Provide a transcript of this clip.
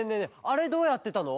あれどうやってたの？